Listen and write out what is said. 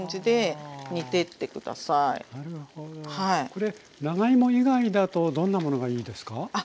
これ長芋以外だとどんなものがいいですか？